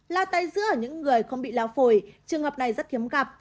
lao tai giữa ở những người không bị lao phổi trường hợp này rất kiếm gặp